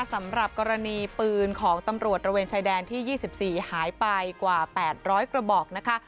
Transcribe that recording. สำหรับกรณีปืนของตำรวจระเวนชายแดนที่๒๔หายไปกว่า๘๐๐กระบอกนะคะ